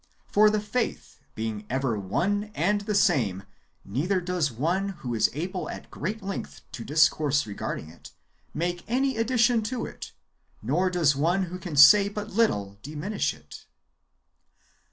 For the faith being ever one and the same, neither does one who is able at great length to discourse regarding it, make any addition to it, nor does one, who can say but little, diminish it.